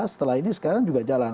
setelah ini sekarang juga jalan